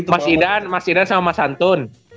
mas idan sama mas antun